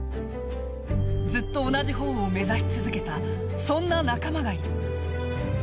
ずっと同じ方を目指し続けたそんな仲間がいる。